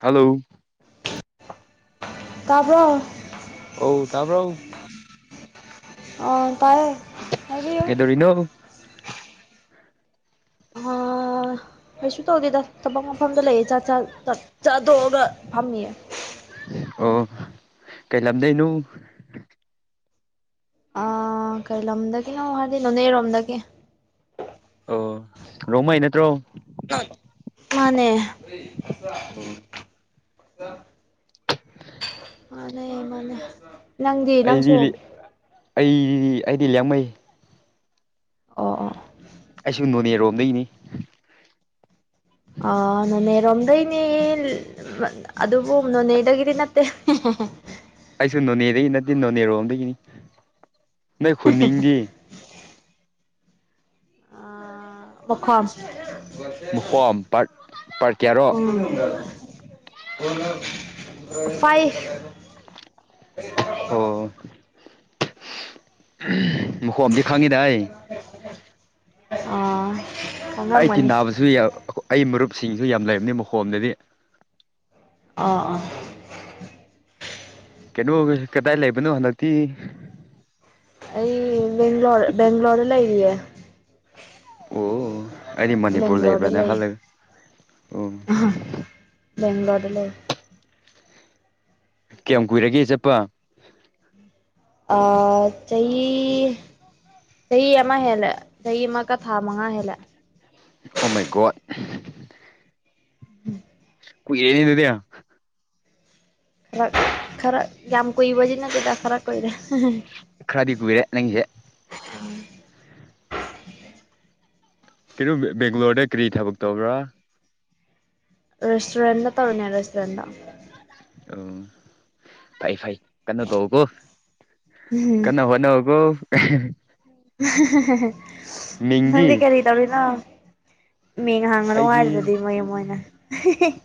hello ꯇꯥꯕ꯭ꯔꯣ ꯑꯧ ꯇꯥꯕ꯭ꯔꯣ ꯑ ꯇꯥꯏ ꯀꯗꯧꯔꯤꯅꯣ ꯑꯥ [inaudible] ꯀꯩꯁꯨ ꯇꯧꯗꯦꯗ ꯊꯕꯛ ꯃꯐꯝꯗ ꯂꯩꯌꯦ ꯆꯥꯛ ꯆ ꯆꯥꯗꯣꯛꯑꯒ ꯐꯝꯃꯤꯌꯦ ꯑꯣ ꯀꯩ ꯂꯝꯗꯩꯅꯨ ꯑ ꯀꯩ ꯂꯝꯗꯒꯤꯅꯣ ꯍꯥꯏꯔꯗꯤ ꯅꯣꯅꯦꯔꯣꯝꯗꯒꯤ ꯑꯣ ꯔꯣꯡꯃꯩ ꯅꯠꯇ꯭ꯔꯣ ꯃꯥꯅꯦ ꯑꯣ ꯑ ꯃꯥꯅꯦ ꯅꯪꯗꯤ ꯅꯪꯁꯨ ꯑꯩꯗꯤ ꯑꯩ ꯑꯩꯗꯤ ꯂꯃꯩ ꯑꯣ ꯑꯣ ꯑꯩꯁꯨ ꯅꯣꯅꯦꯔꯣꯝꯗꯒꯤꯅꯤ ꯅꯅ ꯔꯝꯗꯩꯅꯤ ꯑꯗꯨꯕꯨ ꯅꯣꯅꯦꯗꯒꯤꯗꯤ ꯅꯠꯇꯦ ꯑꯩꯁꯨ ꯅꯣꯅꯦꯗꯒꯤ ꯅꯠꯇꯦ ꯅꯣꯅꯦꯔꯣꯝꯗꯒꯤꯅꯤ ꯅꯣꯏ ꯍꯨꯅꯤꯡꯗꯤ ꯃꯈꯈ꯭ꯋꯥꯝ ꯃꯈꯣꯝ ꯄꯥꯔꯠ ꯄꯥꯔꯠ ꯀꯌꯥꯔꯣ ꯎ ꯐꯥꯏꯚ ꯑꯣ ꯃꯈꯨꯀꯣꯝꯗꯤ ꯈꯪꯉꯤꯗ ꯑꯩ ꯑꯥ ꯑꯩ ꯇꯤ ꯈꯪꯉꯝꯒꯅꯤ ꯅꯥꯕꯁꯨ ꯑꯩ ꯃꯔꯨꯞꯁꯤꯡꯁꯨ ꯌꯥꯝ ꯂꯩꯔꯕꯝꯅꯤ ꯃꯈꯣꯝꯗꯗꯤ ꯑꯥ ꯑꯥ ꯀꯩꯅꯣ ꯀꯗꯥꯏ ꯂꯩꯕꯅꯣ ꯍꯟꯗꯛꯇꯤ ꯑꯩ ꯕꯦꯡ꯭ꯂꯣꯔ ꯕꯦꯡꯒ꯭ꯂꯣꯔꯗ ꯂꯩꯔꯤꯌꯦ ꯑꯣ ꯑꯗꯤ ꯃꯅꯤꯄꯨꯔ ꯕꯦꯡꯒ꯭ꯂꯣꯔꯗ ꯂꯩꯕ꯭ꯔꯅꯦ ꯂꯩ ꯈꯜꯂ ꯑꯣ ꯕꯦꯡ꯭ꯂꯣꯔꯣꯔ ꯂꯩ ꯀꯌꯥꯝ ꯀꯨꯏꯔꯒꯦ ꯆꯠꯄ ꯑ ꯆꯍꯤ ꯆꯍꯤ ꯑꯃ ꯍꯦꯜꯂ ꯆꯍꯤ ꯑꯃꯒ ꯊꯥ ꯃꯉꯥ ꯍꯦꯜꯂꯦ ꯑꯣ ꯃꯒꯣ ꯎꯝ ꯌꯦꯅꯤꯤꯟꯗ ꯈꯔ ꯈꯔ ꯌꯥꯝ ꯀꯨꯏꯕꯁꯤ ꯅꯠꯇꯗ ꯈꯔ ꯀꯨꯏꯔꯦ ꯈ꯭ꯔꯗꯤ ꯀꯕꯕꯤꯔꯦ ꯅꯪꯒ ꯀꯩꯅꯣ ꯕꯦꯡꯒ꯭ꯂꯣꯔꯗ ꯀꯔꯤ ꯊꯕꯛ ꯇꯧꯕ꯭ꯔꯥ ꯔꯦꯁꯇꯣꯔꯦꯟꯗ ꯇꯔꯅꯦ ꯔꯦꯁꯇꯣꯔꯦꯟꯗ ꯎꯝ ꯐꯩ ꯐꯩ ꯀꯩꯅꯣ ꯇꯧꯀꯣ ꯎꯝ ꯀꯅ ꯍꯣꯅꯦ ꯍꯒꯣ ꯃꯤꯡꯗꯤ ꯅꯪꯦ ꯀꯔꯤꯗꯕꯔꯤꯅ ꯃꯤꯡ ꯍꯥꯡꯉꯅꯨ ꯑꯩꯗꯤ ꯍꯥꯏꯔꯗꯤ ꯃꯣꯏ ꯑꯣꯏꯅ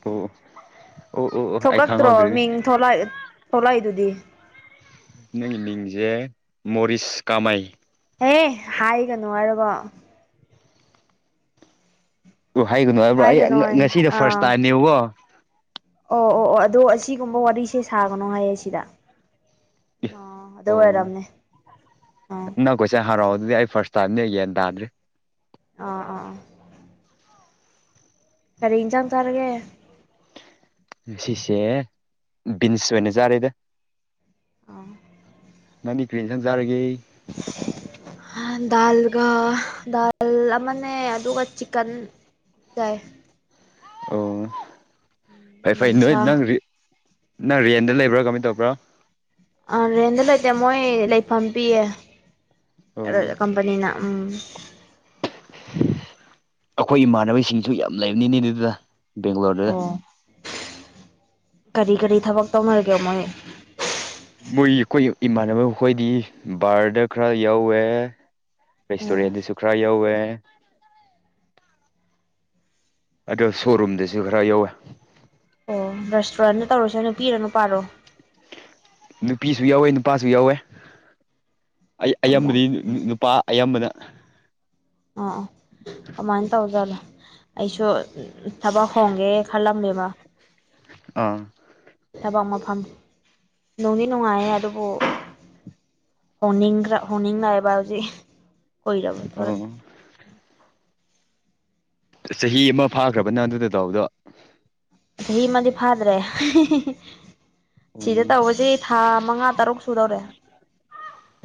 ꯑꯣ ꯑꯣ ꯑꯣ ꯑꯣ ꯑꯩ ꯊꯣꯛꯂꯛꯇ꯭ꯔꯣ ꯈꯪꯍꯧꯗ꯭ꯔꯦꯅꯦ ꯃꯤꯡ ꯊꯣꯛꯂꯛꯏꯗꯨꯗꯤ ꯅꯪ ꯃꯤꯡꯖꯦ ꯃꯔꯤꯁ ꯀꯃꯥꯏ ꯑꯦ ꯍꯥꯏꯒꯅꯣ ꯍꯥꯏꯔꯕꯣ ꯑꯣ ꯍꯥꯏꯒꯅꯨ ꯍꯥꯏꯕ꯭ꯔꯣ ꯑꯩ ꯍꯥꯏꯒꯅꯣ ꯉꯁꯤꯅ ꯐꯥꯔꯁ ꯑꯥ ꯇꯥꯏꯝꯅꯦꯕꯀꯣ ꯑꯣ ꯑꯣ ꯑꯣ ꯑꯗꯣ ꯑꯁꯤꯒꯨꯝꯕ ꯋꯥꯔꯤꯁꯦ ꯁꯥꯒꯅꯣ ꯍꯥꯏꯌꯦ ꯁꯤꯗ ꯑ ꯑꯗꯨ ꯑꯣ ꯑꯣꯏꯔꯝꯅꯦ ꯑꯥ ꯑꯩꯈꯣꯏꯁꯥꯛ ꯍꯔꯥꯎꯗꯗꯤ ꯑꯩ ꯐꯥꯔꯁ ꯇꯥꯅꯤꯅꯦ ꯑꯩ ꯌꯦꯟ ꯇꯥꯗ꯭ꯔꯤ ꯑꯥ ꯑꯥ ꯈꯔꯤ ꯏꯖꯪ ꯇꯥꯔꯒꯦ ꯁꯤꯁꯦ ꯕꯤꯟꯁ ꯑꯣꯏꯅ ꯌꯥꯥꯔꯤꯦꯗ ꯑꯥ ꯅꯃꯤ ꯀꯨꯔꯤꯦꯟ ꯁꯪꯖꯔꯒꯦ ꯗꯥꯜꯒ ꯗꯥꯜ ꯑꯃꯅꯦ ꯑꯗꯨꯒ ꯆꯤꯛꯀꯟ ꯇꯥꯏ ꯑꯣ ꯐꯩ ꯐꯩ ꯅꯣꯏ ꯌꯦꯟꯁꯥꯡ ꯅꯪ ꯅꯪ ꯔꯦꯟꯗ ꯂꯩꯕ꯭ꯔꯥ ꯀꯃꯥꯏꯅ ꯇꯧꯕ꯭ꯔꯥ ꯑꯥ ꯔꯦꯟꯗ ꯂꯩꯇꯦ ꯃꯣꯏ ꯂꯩꯐꯝ ꯄꯤꯌꯦ ꯑꯣ ꯀꯄꯅꯤꯅ ꯎ ꯑꯩꯈꯣꯏ ꯏꯃꯥꯟꯅꯕꯁꯤꯡꯁꯨ ꯌꯥꯝ ꯂꯩꯕꯅꯤꯅꯦ ꯑꯗꯨꯗ ꯕꯦꯡꯒꯂꯣꯔꯗꯨꯗ ꯑꯣ ꯀꯔꯤ ꯀꯔꯤ ꯊꯕꯛ ꯇꯧꯅꯔꯒꯦ ꯃꯣꯏ ꯃꯣꯏ ꯑꯩꯈꯣꯏ ꯏꯃꯥꯟꯅꯕ ꯑꯩꯈꯣꯏꯗꯤ ꯕꯥꯔꯗ ꯈꯔ ꯌꯥꯎꯋꯦ ꯑꯣ ꯦꯁꯇꯣꯔꯤꯌꯥꯗꯨꯁꯨ ꯈꯔ ꯌꯧꯋꯦ ꯑꯗꯣ ꯁꯣꯔꯨꯝꯗꯁꯨ ꯈꯔ ꯌꯧꯋꯦ ꯑꯣ ꯔꯦꯁꯇꯨꯔꯦꯟꯗ ꯇꯧꯔꯨꯁꯦ ꯅꯨꯄꯤꯔꯣ ꯅꯨꯄꯥꯔꯣ ꯅꯨꯄꯤꯁꯨ ꯌꯥꯎꯋꯦ ꯅꯨꯄꯥꯁꯨ ꯌꯥꯎꯋꯦ ꯑꯣ ꯑꯌꯥꯝꯕꯗꯤ ꯅꯨꯄꯥ ꯑꯌꯥꯝꯕꯅ ꯑꯥ ꯀꯃꯥꯏꯅ ꯇꯧꯁꯤꯠꯅꯣ ꯑꯩꯁꯨ ꯊꯕꯛ ꯍꯣꯡꯒꯦ ꯈꯜꯂꯝꯃꯦꯕ ꯑꯥ ꯊꯕꯛ ꯃꯐꯝ ꯅꯨꯡꯗꯤ ꯅꯨꯡꯉꯥꯏꯌꯦ ꯑꯗꯨꯕꯨ ꯍꯣꯡꯅꯤꯡ꯭ꯔ ꯍꯣꯡꯅꯤꯡꯉꯥꯏ ꯍꯥꯏꯕ ꯍꯧꯖꯤꯛ ꯀꯨꯏꯔꯕ ꯊ ꯑꯣ ꯆꯍꯤ ꯑꯃ ꯐꯥꯈ꯭ꯔꯕꯅ ꯑꯗꯨꯗꯗꯥꯎꯗꯣ ꯆꯍꯤ ꯑꯃꯗꯤꯗꯤ ꯐꯥꯗ꯭ꯔꯦ ꯁꯤꯗ ꯇꯧꯕꯁꯤ ꯊꯥ ꯃꯉꯥ ꯇꯔꯨꯛ ꯁꯨꯗꯧꯔꯦ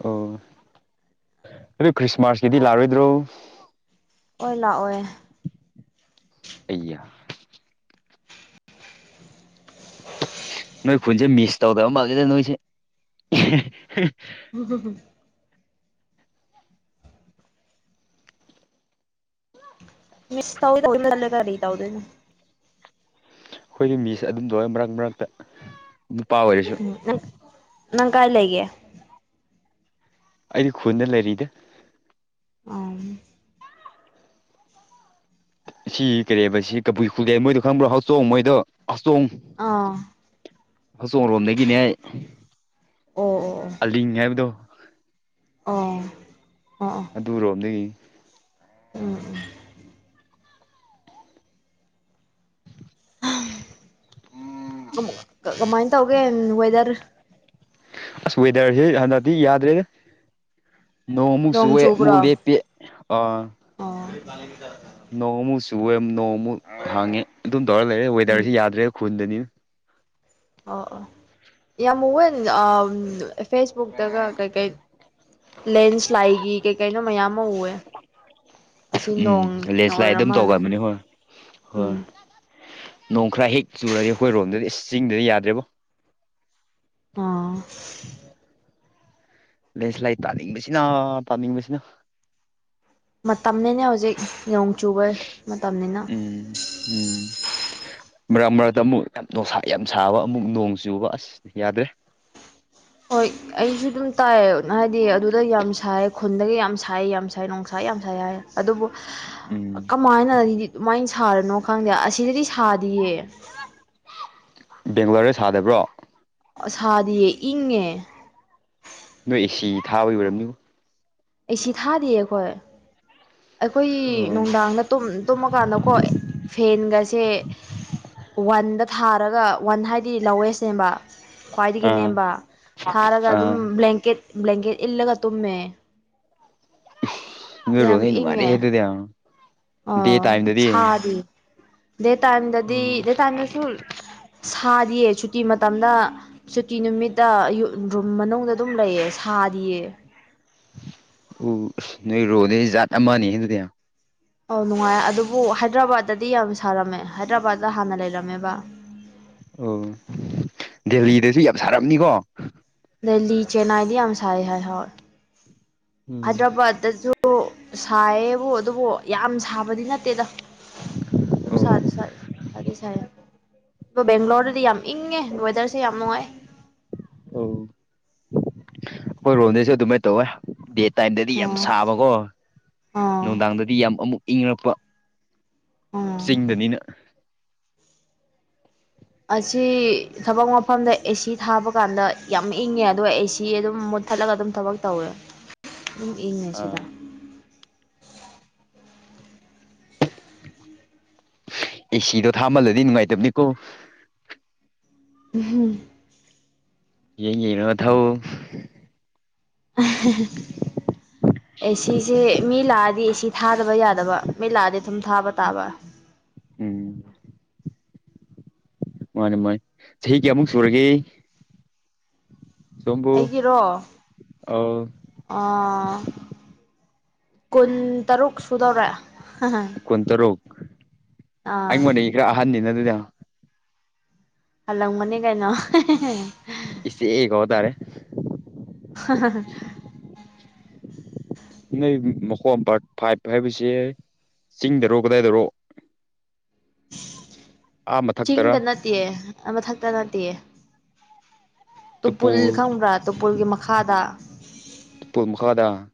ꯑꯣ ꯑꯗꯨ ꯈ꯭ꯔꯤꯁꯃꯥꯁꯀꯤꯗꯤ ꯂꯥꯛꯔꯣꯏꯗ꯭ꯔꯣ ꯑꯣꯏ ꯂꯥꯛꯑꯣꯏ ꯑꯩꯌꯥ ꯅꯣꯏ ꯈꯨꯟꯁꯦ ꯃꯤꯁ ꯇꯧꯗꯕ ꯃꯥꯜꯂꯤꯗ ꯅꯣꯏꯁꯦ ꯎꯝ ꯍ ꯍꯨꯝ ꯃꯤꯁ ꯇꯦꯔꯤ ꯇꯗ ꯑꯩꯈꯣꯏꯒꯤ ꯃꯤꯁꯦ ꯑꯗꯨꯝꯗ ꯑꯣꯏ ꯃꯔꯛ ꯃꯔꯛꯇ ꯅꯨꯄꯥ ꯑꯣꯏꯔꯁꯨ ꯎꯝ ꯅꯪ ꯅꯪ ꯀꯥꯏ ꯂꯩꯒꯦ ꯑꯩꯗꯤ ꯈꯨꯟꯗ ꯂꯩꯔꯤꯗꯦ ꯑ ꯁꯤ ꯀꯔꯤꯕ ꯁꯤ ꯀꯕꯨꯏ ꯈꯨꯜꯂꯦ ꯃꯣꯏꯗꯣ ꯈꯪꯕ꯭ꯔꯣ ꯑꯇꯣꯡ ꯃꯣꯏꯗꯣ ꯍꯆꯇꯣꯡ ꯑꯥ ꯍꯧꯆꯣꯡ ꯔꯣꯝꯗꯒꯤꯅꯦ ꯑꯣ ꯑꯣ ꯑꯂꯤꯡ ꯍꯥꯏꯕꯗꯣ ꯑꯣ ꯑꯣ ꯑ ꯑꯗꯨꯔꯣꯝꯗꯒꯤ ꯎꯝ ꯀꯃꯥꯏꯅ ꯇꯧꯒꯦ ꯋꯦꯗꯔ ꯑꯁ ꯋꯦꯗꯔꯁꯦ ꯍꯟꯗꯛꯇꯤ ꯌꯥꯗ꯭ꯔꯦ ꯅꯣꯡꯃꯨꯛ ꯅꯣꯡ ꯆꯨꯑꯦ ꯑꯃꯨꯛ ꯂꯦꯞꯄꯤ ꯑ ꯑꯣ ꯅꯣꯡꯃꯨꯛ ꯆꯨꯋꯦ ꯅꯣꯡꯃꯨꯛ ꯍꯥꯡꯉꯦ ꯑꯗꯨꯝ ꯇꯧꯔꯒ ꯂꯩꯔꯦ ꯋꯦꯗꯔꯁꯤ ꯌꯥꯗ꯭ꯔꯦ ꯈꯨꯟꯗꯅꯤ ꯑꯣ ꯑꯣ ꯌꯥꯝꯋꯦ ꯐꯦꯁꯕꯨꯛꯇꯒ ꯀꯩꯀꯩ ꯂꯦꯟꯁ꯭ꯂꯥꯏꯒꯤ ꯀꯩ ꯀꯩꯅꯣ ꯃꯌꯥꯝ ꯑꯃ ꯎꯑꯦ ꯎꯝ ꯂꯦꯟꯁ꯭ꯂꯥꯏꯠ ꯑꯣꯏꯔ ꯑꯗꯨꯝ ꯃꯥꯜꯂꯦ ꯇꯧꯒꯑꯕꯅꯤ ꯍꯣꯏ ꯍꯣꯏ ꯎꯝ ꯅꯣꯡ ꯈꯔ ꯍꯦꯛ ꯆꯨꯔꯗꯤ ꯑꯩꯈꯣꯏ ꯔꯣꯝꯗꯗꯤ ꯏꯁ ꯆꯤꯡꯗꯗꯤ ꯌꯥꯗ꯭ꯔꯦꯕꯣ ꯑꯥ ꯂꯦꯟꯁꯂꯥꯏꯠ ꯇꯥꯅꯤꯡꯕꯁꯤꯅ ꯇꯥꯅꯤꯡꯕꯁꯤꯅ ꯃꯇꯝꯅꯤꯅꯦ ꯍꯧꯖꯤꯛ ꯅꯣꯡ ꯆꯨꯕ ꯃꯇꯝꯅꯤꯅ ꯎꯝ ꯎꯝ ꯃꯔꯛ ꯃꯔꯛꯇ ꯑꯃꯨꯛ ꯌꯥꯝ ꯅꯁꯥ ꯌꯥꯝ ꯁꯥꯕ ꯑꯃꯨꯛ ꯅꯣꯡ ꯆꯨꯕ ꯑꯁ ꯌꯥꯗ꯭ꯔꯦ ꯍꯣꯏ ꯑꯩꯁꯨ ꯑꯗꯨꯝ ꯇꯥꯏ ꯍꯥꯏꯗꯤ ꯑꯗꯨꯗ ꯌꯥꯝ ꯁꯥꯏ ꯈꯨꯟꯗꯒꯤ ꯌꯥꯝ ꯁꯥꯏ ꯌꯥꯝ ꯁꯥꯏ ꯅꯨꯡꯁꯥ ꯌꯥꯝ ꯁꯥꯏ ꯍꯥꯏ ꯑꯗꯨꯕꯨ ꯎꯝ ꯀꯃꯥꯏꯅꯗꯤ ꯑꯗꯨꯃꯥꯏꯅ ꯁꯥꯔꯅꯣ ꯈꯪꯗꯦ ꯑꯁꯤꯗꯗꯤ ꯁꯥꯗꯤꯌꯦ ꯕꯦꯡꯒ꯭ꯂꯣꯔꯗ ꯁꯥꯗꯕ꯭ꯔꯣ ꯑꯁꯥꯗꯤꯌꯦ ꯏꯪꯉꯦ ꯅꯣꯏ ꯑꯦꯁꯤ ꯊꯥꯕꯒꯤ ꯑꯣꯏꯔꯝꯅꯤꯕ ꯑꯩ ꯁꯤ ꯊꯥꯗꯦ ꯑꯩꯈꯣꯏ ꯑꯩꯈꯣꯏꯒꯤ ꯑꯣ ꯅꯨꯡꯗꯥꯡꯗ ꯇꯨꯝꯃꯀꯥꯟꯗꯀꯣ ꯐꯦꯟꯒꯁꯦ ꯋꯥꯟꯗ ꯊꯥꯔꯒ ꯋꯥꯟ ꯍꯥꯏꯗꯤ ꯂꯧꯋꯦꯁꯅꯦꯕ ꯈ꯭ꯋꯥꯏꯗꯒꯤ ꯑꯥ ꯅꯦꯝꯕ ꯊꯥꯔꯒ ꯑꯗꯨꯝ ꯑꯥ ꯕ꯭ꯂꯦꯡꯀꯦꯠ ꯕ꯭ꯂꯦꯡꯀꯦꯠ ꯏꯜꯂꯒ ꯇꯨꯝꯃꯦ ꯅꯣꯏ ꯔꯣꯝꯗꯤ ꯅꯨꯡꯉꯥꯏꯔꯦꯍꯦ ꯑꯗꯨꯗꯤ ꯗꯦ ꯑꯣ ꯇꯥꯏꯝꯗꯗꯤ ꯁꯥꯗꯤ ꯗꯦ ꯇꯥꯏꯝꯗꯗꯤ ꯎꯝ ꯗꯦ ꯇꯥꯏꯝꯗꯁꯨ ꯁꯥꯗꯤꯌꯦ ꯁꯨꯇꯤ ꯃꯇꯝꯗ ꯁꯨꯇꯤ ꯅꯨꯃꯤꯠꯇ ꯔꯨꯝ ꯃꯅꯨꯡꯗ ꯑꯗꯨꯝ ꯂꯩꯌꯦ ꯁꯥꯗꯤꯌꯦ ꯎ ꯅꯣꯏ ꯔꯣ ꯗꯨꯗꯤ ꯖꯥꯠ ꯑꯃꯅꯤꯅꯦ ꯑꯗꯨꯗꯤ ꯑꯧ ꯅꯨꯡꯉꯥꯏ ꯑꯗꯨꯕꯨ ꯍꯥꯏꯗ꯭ꯔꯕꯥꯗꯇꯗꯤ ꯌꯥꯝ ꯁꯥꯔꯝꯃꯦ ꯍꯥꯏꯗ꯭ꯔꯕꯥꯠꯇꯠꯇ ꯍꯥꯟꯅ ꯂꯩꯔꯝꯃꯦꯕ ꯑꯣ ꯗꯦꯜꯂꯤꯗꯁꯨ ꯌꯥꯝ ꯁꯥꯔꯝꯅꯤꯀꯣ ꯗꯦꯜꯂꯤ ꯆꯦꯟꯅꯥꯏꯗꯤ ꯌꯥꯝ ꯁꯥꯏ ꯍꯣꯏ ꯍꯣꯏ ꯎꯝ ꯑꯗ꯭ꯔꯕꯠꯇꯁꯨ ꯁꯥꯏꯌꯦꯕꯨ ꯑꯗꯨꯕꯨ ꯌꯥꯝ ꯁꯥꯕꯗꯤ ꯅꯠꯇꯦꯗ ꯑꯗꯨꯝ ꯁꯥꯗꯤ ꯁꯥꯏ ꯁꯥꯗꯤ ꯁꯥꯢꯌꯦ ꯕꯦꯡꯒ꯭ꯂꯣꯔꯗꯗꯤ ꯌꯥꯝ ꯏꯪꯉꯦ ꯋꯦꯗꯔꯁꯦ ꯌꯥꯝ ꯅꯨꯡꯉꯥꯏ ꯑꯣ ꯑꯩꯈꯣꯏ ꯔꯣꯝꯗꯩꯁꯨ ꯑꯗꯨꯃꯥꯏꯅ ꯇꯧꯋꯦ ꯗꯦꯠ ꯇꯥꯏꯝꯗꯗꯤ ꯌꯥꯝ ꯑꯣ ꯁꯥꯕꯀꯣ ꯑꯣ ꯅꯨꯡꯗꯥꯡꯗꯗꯤ ꯌꯥꯝ ꯑꯃꯨꯛ ꯏꯪꯔꯛꯄ ꯑꯣ ꯆꯤꯡꯗꯅꯤꯅ ꯑꯁꯤ ꯊꯕꯛ ꯃꯐꯝꯗ ꯑꯦꯁꯤ ꯊꯥꯕ ꯀꯥꯟꯗ ꯌꯥꯝ ꯏꯪꯉꯦ ꯑꯗꯨꯒ ꯑꯦꯁꯤ ꯑꯗꯨꯝ ꯊꯠꯂꯒ ꯑꯗꯨꯝ ꯊꯕꯛ ꯇꯧꯋꯦ ꯑꯗꯨꯝ ꯏꯪꯉꯦ ꯁꯤꯗ ꯑꯥ ꯑꯦꯁꯤꯗꯣ ꯊꯥꯃꯜꯂꯗꯤ ꯅꯨꯡꯉꯥꯏꯇꯕꯅꯤꯀꯣ ꯎꯝ ꯌꯦꯡ ꯉꯥꯑꯒ ꯊꯥꯎ [unintelligible] ꯑꯦꯁꯤꯁꯦ ꯃꯤ ꯂꯥꯛꯑꯗꯤ ꯑꯦꯁꯤ ꯊꯥꯗꯕ ꯌꯥꯗꯕ ꯃꯤ ꯂꯥꯛꯑꯗꯤ ꯑꯗꯨꯝ ꯊꯥꯕ ꯇꯥꯕ ꯎꯝ ꯃꯥꯅꯦ ꯃꯥꯅꯦ ꯆꯍꯤ ꯀꯌꯥꯃꯨꯛ ꯁꯨꯔꯒꯦ ꯁꯣꯝꯕꯨ ꯑꯩꯒꯤꯔꯣ ꯑꯧ ꯑꯣ ꯀꯨꯟ ꯇꯔꯨꯛ ꯁꯨꯗꯧꯔꯦ ꯀꯨꯟꯇꯔꯨꯛ ꯑꯥ ꯑꯩꯉꯣꯟꯗ ꯈꯔ ꯑꯍꯟꯅꯤꯅ ꯑꯗꯨꯗ ꯍꯜꯂꯪꯕꯅꯤ ꯀꯩꯅꯣ ꯏꯁꯦ ꯀꯧ ꯇꯥꯔꯦ [unintelligible] ꯅꯩ ꯃꯈꯣꯟ ꯄꯥꯔꯠ ꯐꯥꯏꯚ ꯍꯥꯏꯕꯕꯁꯤ ꯆꯤꯡꯗꯔꯣ ꯀꯗꯥꯏꯗꯔꯣ ꯑꯥ ꯃꯊꯛꯇꯔ ꯆꯤꯡꯗ ꯅꯠꯇꯦ ꯃꯊꯛꯇ ꯅꯠꯇꯦ ꯇꯨꯄꯨ ꯇꯨꯄꯨꯜ ꯈꯪꯕ꯭ꯔꯥ ꯇꯨꯄꯨꯜꯒꯤ ꯃꯈꯥꯗ ꯇꯨꯄꯨꯜ ꯃꯀꯥꯗ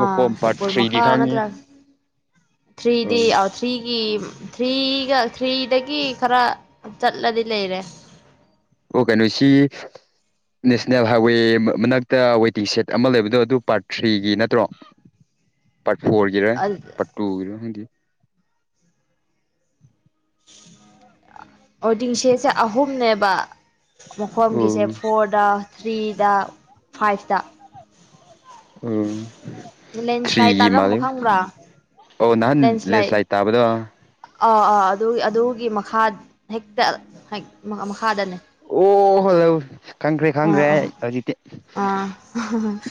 ꯑ ꯇꯨꯄꯨꯜ ꯃꯈꯥ ꯈꯪꯉꯤ ꯅꯠꯇ꯭ꯔꯥ ꯊ꯭ꯔꯤꯗꯤ ꯎꯝ ꯊ꯭ꯔꯤꯒꯤ ꯊ꯭ꯔꯤꯒ ꯊ꯭ꯔꯤꯗꯒꯤ ꯈꯔ ꯆꯠꯂꯗꯤ ꯂꯩꯔꯦ ꯑꯣ ꯀꯩꯅꯣꯁꯤ ꯅꯦꯁꯅꯦꯜ ꯍꯥꯏꯋꯦ ꯃꯛꯇ ꯋꯦꯇꯤꯡ ꯁꯦꯠ ꯑꯃ ꯂꯩꯕꯗꯣ ꯑꯗꯨ ꯄꯥꯔꯠ ꯊ꯭ꯔꯤꯒꯤ ꯅꯠꯇ꯭ꯔꯣ ꯄꯔꯥꯠ ꯐꯣꯔꯒꯤꯔꯣ ꯄꯔꯥꯠ ꯇꯨꯒꯤꯔꯣ ꯈꯪꯗꯦ ꯋꯥꯢꯗꯤꯡꯁꯦꯠꯁꯦ ꯑꯍꯨꯝꯅꯦꯕ ꯑꯣ ꯃꯈꯐꯝꯒꯤꯁꯦ ꯐꯣꯔꯠ ꯊ꯭ꯔꯤꯗ ꯐꯥꯏꯚꯇ ꯎꯝ ꯂꯦꯟꯁ꯭ꯂꯥꯏꯠ ꯊ꯭ꯔꯤꯒꯤ ꯇꯥꯔꯝꯕ ꯃꯥꯜꯂꯦ ꯈꯪꯕ꯭ꯔꯥ ꯑꯣ ꯅꯍꯥꯟ ꯂꯦꯟꯁ꯭ꯂꯥꯏꯠ ꯇꯥꯕꯗꯣ ꯑꯥ ꯑꯥ ꯑꯗꯨ ꯑꯗꯨꯒꯤ ꯃꯈꯥ ꯍꯦꯛꯇ ꯃꯈꯥꯗꯅꯦ ꯑꯣ ꯈꯪꯈ꯭ꯔꯦ ꯑꯥ ꯈꯪꯈ꯭ꯔꯦ ꯑꯥ ꯑꯩ ꯍꯧꯖꯤꯛꯇꯤ ꯑꯥ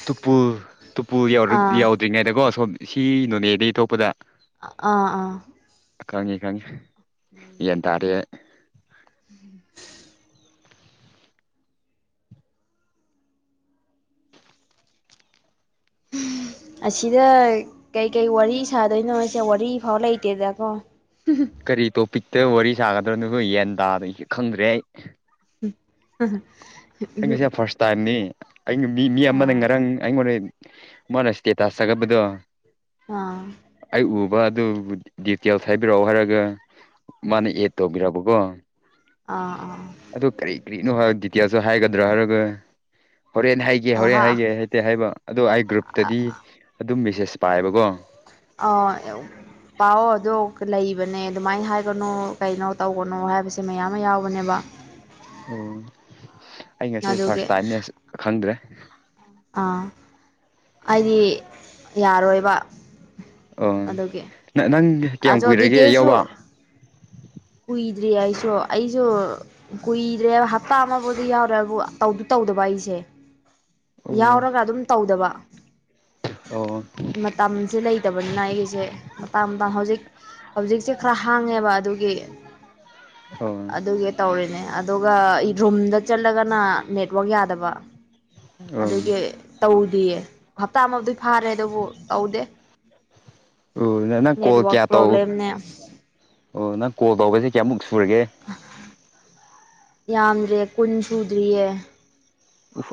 ꯇꯨꯄꯨ ꯇꯨꯄꯨ ꯑꯥ ꯌꯥ ꯇ꯭ꯔꯤꯉꯩꯗꯀꯣ ꯁꯣꯝ ꯁꯤ ꯅꯣꯅꯦ ꯑꯗꯒꯤ ꯑꯇꯣꯞꯄꯗ ꯑꯥ ꯑꯥ ꯈꯪꯉꯤ ꯈꯪꯉꯤ ꯒꯌꯥꯟ ꯇꯥꯔꯦ [unintelligible] ꯑꯁꯤꯗ ꯀꯩꯀꯩ ꯋꯥꯔꯤ ꯁꯥꯗꯣꯏꯅꯣ ꯑꯩꯁꯦ ꯋꯥꯔꯤ ꯐꯥꯎ ꯂꯩꯇꯦꯗꯀꯣ ꯀꯔꯤ ꯇꯣꯄꯤꯛꯇ ꯋꯥꯔꯤ ꯁꯥꯒꯗ꯭ꯔꯣꯅꯕ ꯌꯦꯟ ꯇꯥꯗ ꯈꯪꯗ꯭ꯔꯦ ꯑꯩ ꯎꯝ ꯑ ꯑꯩ ꯉꯁ ꯐꯥꯔꯁ ꯇꯥꯏ꯭ꯝꯅꯤ ꯑꯩꯅ ꯃꯤ ꯃꯤ ꯑꯃꯅ ꯉꯔꯥꯡ ꯑꯩꯉꯣꯟꯗ ꯃꯣꯟꯅ ꯁꯦꯇꯁ ꯊꯥꯒꯠꯕꯗꯣ ꯑꯥ ꯑꯩ ꯎꯕ ꯑꯗꯨ ꯗꯤꯇꯦꯜꯁ ꯍꯥꯏꯕꯤꯔꯛꯑꯣ ꯍꯥꯏꯔꯒ ꯃꯥꯅ ꯑꯦꯠ ꯇꯧꯕꯤꯔꯕꯀꯣ ꯑꯥ ꯑꯥ ꯑꯗꯨ ꯀꯔꯤ ꯀꯔꯤꯅꯣ ꯍꯥꯏ ꯗꯤꯇꯦꯜꯁꯨ ꯍꯥꯏꯒꯗ꯭ꯔꯣ ꯍꯥꯏꯔꯒ ꯍꯣꯔꯦꯟ ꯍꯥꯏꯒꯦ ꯑꯣ ꯍꯣꯔꯦꯟ ꯍꯥ ꯍꯥꯏꯒꯦ ꯅꯠꯇꯦ ꯍꯥꯏꯕ ꯑꯗꯣ ꯑꯩ ꯒ꯭ꯔꯨꯞꯇꯗꯤ ꯑꯗꯨꯝ ꯃꯦꯁꯦꯖ ꯄꯥꯏꯌꯦꯕꯀꯣ ꯑꯥꯎ ꯄꯥꯎꯑꯣ ꯑꯗꯨꯗꯣ ꯂꯩꯕꯅꯦ ꯑꯗꯨꯃꯥꯏꯅ ꯍꯥꯏꯒꯅꯨ ꯀꯩꯅꯣ ꯇꯧꯒꯅꯣ ꯍꯥꯏꯁ ꯃꯌꯥꯝ ꯑꯃ ꯌꯥꯎꯕꯅꯦꯕ ꯑꯣ ꯑꯩ ꯉꯁꯤ ꯑꯗꯨꯒꯤ ꯐꯥꯔ꯭ꯁ ꯇꯥꯏꯝꯅꯦꯁꯨ ꯈꯪꯗ꯭ꯔꯦ ꯑꯥ ꯑꯩꯗꯤ ꯌꯥꯔꯣꯏꯕ ꯑꯣ ꯑꯗꯨꯒꯤ ꯅꯪ ꯅꯪ ꯀꯌꯥꯝ ꯑꯗꯣ ꯀꯨꯏꯔꯒꯦ ꯗꯤꯇꯦꯜꯁꯨ ꯌꯥꯎꯕ ꯀꯨꯏꯗ꯭ꯔꯤ ꯑꯩꯁꯨ ꯑꯩꯁꯨ ꯀꯨꯏꯗ꯭ꯔꯦ ꯍꯞꯇꯥ ꯑꯃꯕꯨꯗꯤ ꯌꯥꯎꯔꯦꯕꯨ ꯇꯧꯗꯨ ꯇꯧꯗꯕ ꯑꯩꯁꯦ [inaudible] ꯌꯥꯎꯔꯒ ꯑꯗꯨꯝ ꯇꯧꯗꯕ ꯑꯣ ꯃꯇꯝꯁꯦ ꯂꯩ ꯂꯩꯇꯕꯅꯤꯅ ꯑꯩꯒꯤꯁꯦ ꯃꯇꯥꯡ ꯍꯧꯖꯤꯛ ꯍꯧꯖꯤꯛꯁꯦ ꯈꯔ ꯍꯥꯡꯉꯦꯕ ꯑꯗꯨꯒꯤ ꯑꯣ ꯑꯗꯨꯒꯤ ꯇꯧꯔꯤꯅꯦ ꯑꯗꯨꯒ ꯔꯨꯝꯗ ꯆꯠꯂꯒꯅ ꯅꯦꯠꯋꯥꯛ ꯌꯥꯗꯕ ꯑꯣ ꯑꯗꯨꯒꯤ ꯇꯧꯗꯤꯌꯦ ꯍꯞꯇꯥ ꯑꯃꯗꯤ ꯐꯥꯔꯦ ꯑꯗꯨꯕꯨ ꯇꯧꯗꯦ ꯑꯣ ꯅꯪ ꯀꯣꯜ ꯅꯦꯠꯋꯥꯛ ꯀꯌꯥ ꯇꯧ ꯄ꯭ꯔꫭꯕ꯭ꯂꯦꯝꯅꯦ ꯑꯣ ꯅꯪ ꯀꯣꯜ ꯇꯧꯕꯁꯦ ꯀꯌꯥꯃꯨꯛ ꯁꯨꯔꯒꯦ ꯌꯥꯝꯗꯦ ꯀꯨꯟ ꯁꯨꯗ꯭ꯔꯤꯌꯦ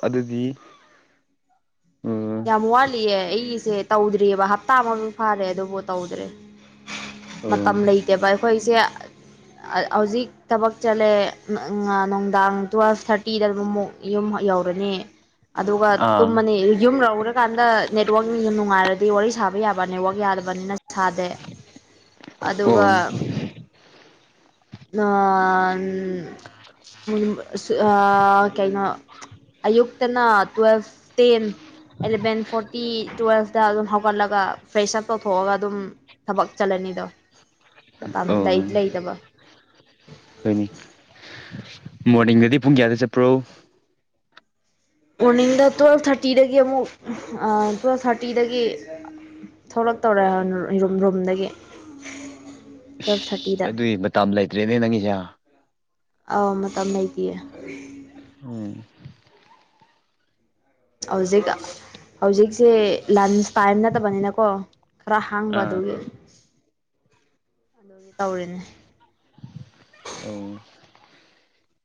ꯑꯗꯨꯗꯤ ꯑꯣ ꯌꯥꯝ ꯋꯥꯠꯂꯤꯌꯦ ꯑꯩꯒꯤꯁꯦ ꯇꯧꯗ꯭ꯔꯤꯑꯕ ꯍꯞꯇꯥ ꯃꯃꯤꯨ ꯐꯥꯔꯦ ꯑꯗꯨꯕꯨ ꯇꯧꯗ꯭ꯔꯦ ꯑꯣ ꯃꯇꯝ ꯂꯩꯇꯦꯕ ꯑꯩꯈꯣꯏꯁꯦ ꯍꯧꯖꯤꯛ ꯊꯕꯛ ꯆꯠꯂꯦ ꯅꯨꯡꯗꯥꯡ ꯇꯨꯋꯦꯜꯐ ꯊꯥꯔꯇꯤ ꯇꯤꯗꯕꯃꯨꯛ ꯌꯨꯝ ꯌꯧꯔꯅꯤ ꯑꯗꯨꯒ ꯑꯥ ꯇꯨꯝꯃꯅꯤ ꯌꯨꯝ ꯂꯧꯔꯀꯥꯟꯗ ꯅꯦꯠꯋꯥꯛꯁꯨ ꯅꯨꯡꯉꯥꯏꯔꯗꯤ ꯋꯥꯔꯤ ꯁꯥꯕ ꯌꯥꯕ ꯅꯦꯠꯋꯥꯛ ꯌꯥꯗꯕꯅꯤꯅ ꯁꯥꯗꯦ ꯑꯣ ꯑꯗꯨꯒ ꯑ ꯀꯩꯅꯣ ꯑꯌꯨꯛꯇꯅ ꯇꯨꯋꯦꯜꯐ ꯇꯦꯟ ꯑꯦꯂꯚꯦꯟ ꯐꯣꯔꯇꯤ ꯇꯨꯋꯦꯜꯐꯇ ꯑꯗꯨꯝ ꯍꯧꯒꯠꯂꯒ ꯐ꯭ꯔꯦꯁ ꯑꯞ ꯇꯧꯊꯣꯛꯑꯒ ꯑꯗꯨꯝ ꯊꯕꯛ ꯆꯠꯂꯅꯤꯗꯣ ꯃꯇꯝ ꯑꯣ ꯂꯩꯇꯕ ꯍꯣꯏꯅꯤ ꯃꯣꯔꯅꯤꯡꯗꯗꯤ ꯄꯨꯡ ꯀꯌꯥꯗ ꯆꯠꯄ꯭ꯔꯣ ꯃꯣꯔꯅꯤꯡꯗ ꯇꯨꯋꯦꯜꯜꯐ ꯊꯥꯔꯇꯤꯗꯒꯤ ꯑꯃꯨꯛ ꯇꯨꯋꯜꯐ ꯊꯥꯔꯇꯤꯗꯒꯤ ꯊꯣꯛꯂꯛꯇꯧꯔꯦ ꯔꯨꯝꯗꯒꯤ ꯇꯨꯋꯦꯜꯞ ꯊꯥꯔꯇꯤꯗ ꯑꯗꯨꯏ ꯃꯇꯝ ꯂꯩꯇ꯭ꯔꯦꯅꯦ ꯅꯪꯒꯤꯁꯦ ꯑꯥꯎ ꯃꯇꯝ ꯂꯩꯗꯤꯌꯦ ꯎꯝ ꯍꯧꯖꯤꯛ ꯍꯧꯖꯤꯛꯁꯦ ꯂꯟꯁ ꯇꯥꯏꯝ ꯅꯠꯇꯕꯅꯤꯅꯀꯣ ꯈꯔ ꯍꯥꯡꯕ ꯑꯥ ꯑꯗꯨꯒꯤ ꯑꯗꯨꯒꯤ ꯇꯧꯔꯤꯅꯦ ꯑ